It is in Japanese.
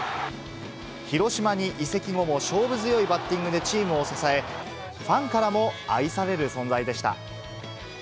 広島に移籍後も勝負強いバッティングでチームを支え、ファンからも愛される存在でした。